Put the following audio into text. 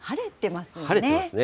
晴れてますね。